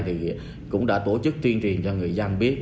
thì cũng đã tổ chức tuyên truyền cho người dân biết